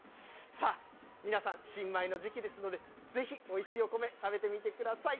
さあ、皆さん、新米の時期ですので、ぜひ、おいしいお米、食べてみてください。